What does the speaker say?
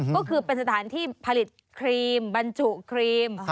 ก็คือเป็นสถานที่ผลิตครีมบรรจุครีม